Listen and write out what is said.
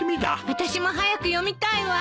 あたしも早く読みたいわ。